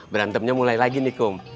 berantemnya mulai lagi nih kum